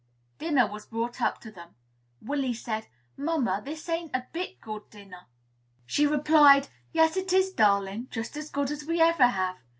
Dinner was brought up to them. Willy said, "Mamma, this ain't a bit good dinner." She replied, "Yes, it is, darling; just as good as we ever have.